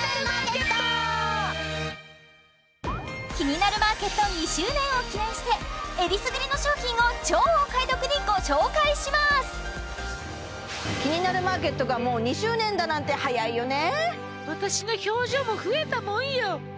「キニナルマーケット」２周年を記念してえりすぐりの商品を超お買い得にご紹介します「キニナルマーケット」がもう２周年だなんて早いよね